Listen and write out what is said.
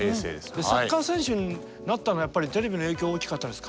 サッカー選手になったのはやっぱりテレビの影響大きかったですか？